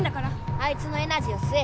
あいつのエナジーをすえ！